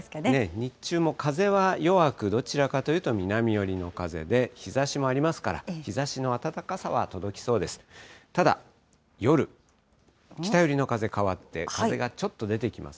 日中も風は弱く、どちらかというと南寄りの風で、日ざしもありますから、日ざしの暖かさは届きそうです。